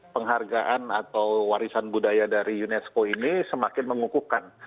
penghargaan atau warisan budaya dari unesco ini semakin mengukuhkan